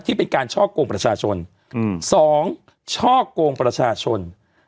ที่เป็นการช่อกโกงประชาชน๒ช่อกโกงประชาชน